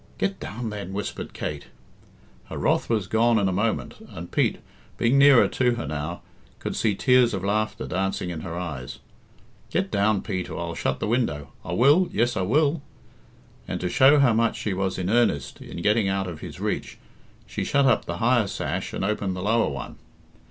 "Get down, then," whispered Kate. Her wrath was gone in a moment, and Pete, being nearer to her now, could see tears of laughter dancing in her eyes. "Get down, Pete, or I'll shut the window, I will yes, I will." And, to show how much she was in earnest in getting out of his reach, she shut up the higher sash and opened the lower one.